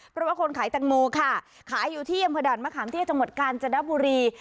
เพราะว่าคนขายแตงโมค่ะขายอยู่ที่อำเภอด่านมะขามเที่จังหวัดกาญจนบุรี